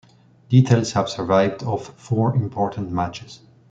Details have survived of four important matches.